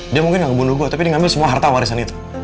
dia mungkin gak ngebunuh gue tapi dia ngambil semua harta warisan itu